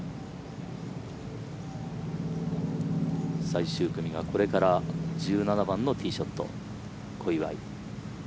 最終組がこれから１７番のティーショット、小祝。